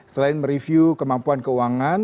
selain mereview kemampuan keuangan